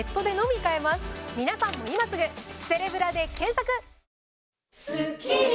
皆さんも今すぐセレブラで検索！